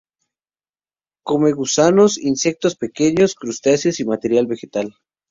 Come gusanos, insectos pequeños, crustáceos y materia vegetal.